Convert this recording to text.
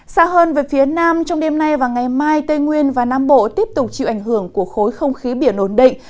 xa hơn về phía nam trong đêm nay và ngày mai tây nguyên và nam bộ tiếp tục chịu ảnh hưởng của khối không khí biển ổn định